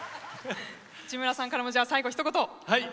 内村さんからもじゃあ最後ひと言。